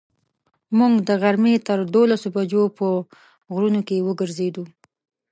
موږ د غرمې تر دولسو بجو په غرونو کې وګرځېدو.